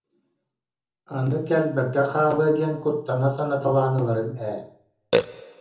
«Аны кэлбэккэ хаалыа диэн куттана санаталаан ыларым ээ»